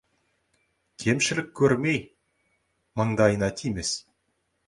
Кемшілік көрмей, маңдайына тимес.